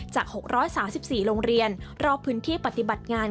จาก๖๓๔โรงเรียนรอบพื้นที่ปฏิบัติงาน